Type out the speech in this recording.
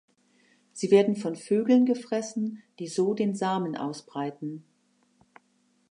Sie werden von Vögeln gefressen, die so den Samen ausbreiten.